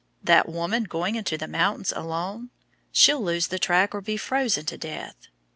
that woman going into the mountains alone? She'll lose the track or be froze to death!"